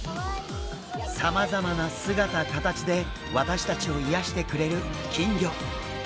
さまざまな姿形で私たちを癒やしてくれる金魚。